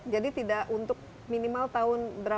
jadi tidak untuk minimal tahun dua lima juta